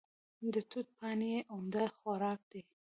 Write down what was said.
د توت پاڼې یې عمده خوراک دی.